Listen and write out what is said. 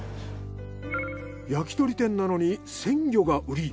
焼き鳥店なのに鮮魚が売り。